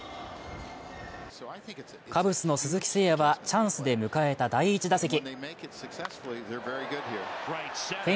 カブスの鈴木誠也はチャンスで迎えた第１打席。